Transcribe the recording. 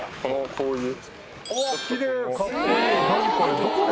こういう。